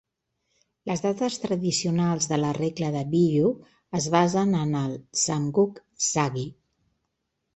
Les dates tradicionals de la regla de Biyu es basen en el "Samguk Sagi".